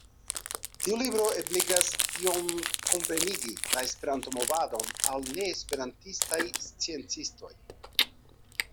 Tiu libro ebligas iom komprenigi la Esperanto-movadon al neesperantistaj sciencistoj.